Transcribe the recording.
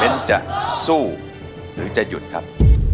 จะสู้หรือจะหยุดครับ